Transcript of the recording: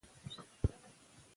خلک دا وسایل ازمويي.